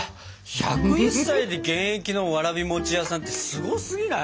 １０１歳で現役のわらび餅屋さんってすごすぎない？